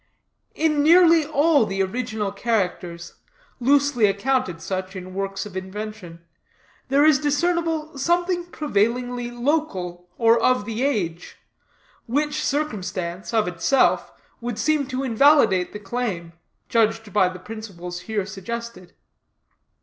In nearly all the original characters, loosely accounted such in works of invention, there is discernible something prevailingly local, or of the age; which circumstance, of itself, would seem to invalidate the claim, judged by the principles here suggested.